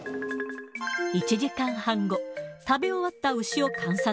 １時間半後、食べ終わった牛